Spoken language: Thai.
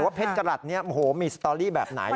หมายถึงว่าเพชรจรรย์นี้โอ้โฮมีสตอรี่แบบไหน